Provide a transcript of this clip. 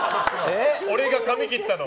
俺が髪切ったの。